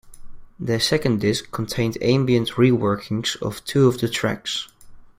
The second disc contained ambient re-workings of two of the tracks.